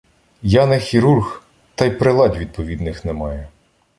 Я не хірург, та й приладь відповідних немає.